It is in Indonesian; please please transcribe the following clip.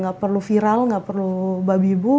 gak perlu viral gak perlu babi bu